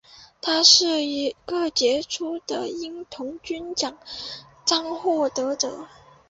他是一个杰出的鹰童军奖章获得者。